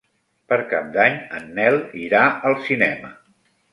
Per Cap d'Any en Nel irà al cinema.